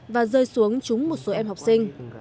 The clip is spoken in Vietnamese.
và rơi xuống trúng một số em học sinh